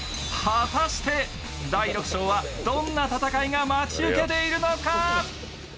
果たして第６章はどんな戦いが待ち受けているのか。